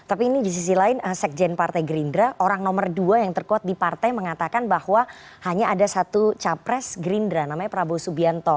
tapi ini di sisi lain sekjen partai gerindra orang nomor dua yang terkuat di partai mengatakan bahwa hanya ada satu capres gerindra namanya prabowo subianto